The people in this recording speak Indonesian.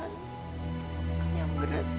ibu jangan mikirin itu ya